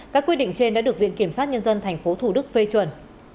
các quy định trên đã được viện kiểm soát nhân dân tp thủ đức phê chuẩn